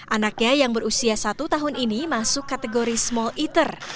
anaknya yang berusia satu tahun ini masuk kategori small eater